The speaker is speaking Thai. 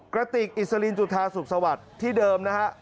กระติกอิสลินจุธาสุขสวัสดิ์ที่เดิมนะฮะ